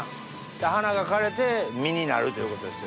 花が枯れて実になるということですよね？